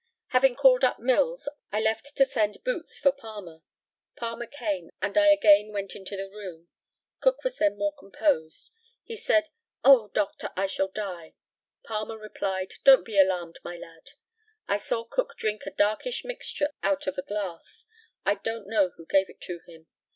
Having called up Mills, I left to send "Boots" for Palmer. Palmer came, and I again went into the room. Cook was then more composed. He said, "Oh, doctor, I shall die." Palmer replied, "Don't be alarmed, my lad." I saw Cook drink a darkish mixture out of a glass. I don't know who gave it to him.